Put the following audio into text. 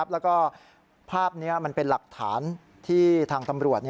แล้วก็ภาพนี้มันเป็นหลักฐานที่ทางตำรวจ